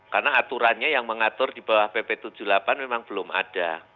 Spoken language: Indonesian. karena aturannya yang mengatur di bawah pp tujuh puluh delapan memang belum ada